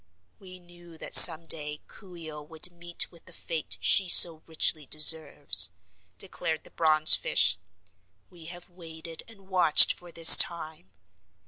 "We knew that some day Coo ee oh would meet with the fate she so richly deserves," declared the bronzefish. "We have waited and watched for this time.